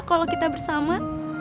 kalau kita bersama